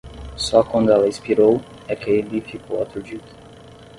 Só quando ela expirou, é que ele ficou aturdido.